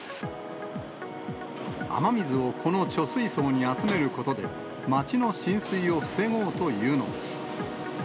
雨水をこの貯水槽に集めることで、街の浸水を防ごうというのです。